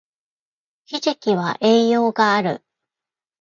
ひじきは栄養がある